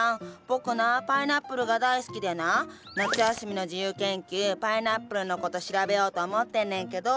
僕なパイナップルが大好きでな夏休みの自由研究パイナップルの事調べようと思ってんねんけど。